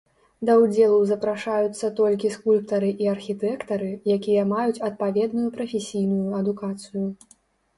Да ўдзелу запрашаюцца толькі скульптары і архітэктары, якія маюць адпаведную прафесійную адукацыю.